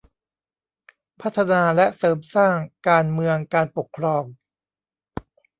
พัฒนาและเสริมสร้างการเมืองการปกครอง